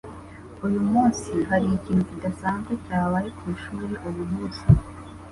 Uyu munsi, hari ikintu kidasanzwe cyabaye ku ishuri uyu munsi?